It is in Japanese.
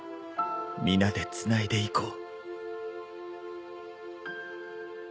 皆でつないでいこう。